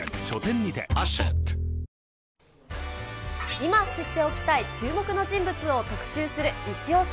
今知っておきたい注目の人物を特集するイチオシ。